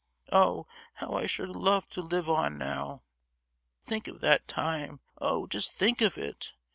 oh how I should love to live on now. Think of that time—oh, just think of it!